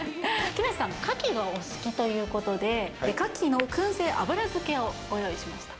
木梨さん、カキがお好きということで、カキのくん製油漬けをご用意しました。